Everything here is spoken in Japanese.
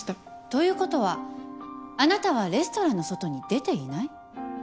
ということはあなたはレストランの外に出ていない？